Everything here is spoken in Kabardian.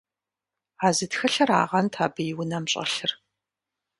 А зы тхылъырагъэнт абы и унэм щӀэлъыр.